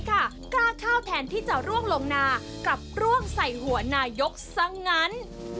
กล้าเข้าแทนที่จะร่วงลงนากับร่วงใส่หัวนายกซะงั้น